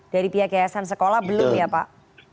dari pihak yayasan sekolah belum ya pak